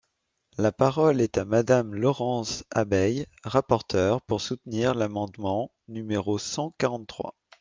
La parole est à Madame Laurence Abeille, rapporteure, pour soutenir l’amendement numéro cent quarante-trois.